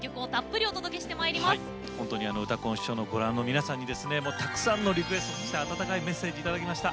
本当に「うたコン」ご覧の皆さんにですねたくさんのリクエストそして温かいメッセージ頂きました。